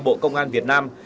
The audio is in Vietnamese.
bộ công an việt nam